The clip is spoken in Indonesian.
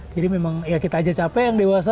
jadi memang ya kita aja capek yang dewasa